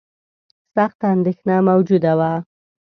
سخته اندېښنه موجوده وه.